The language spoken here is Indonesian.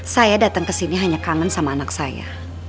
saya datang kesini hanya kangen sama anak saya